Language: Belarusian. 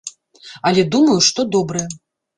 Але думаю, што добры.